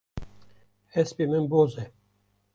Hespê min boz e.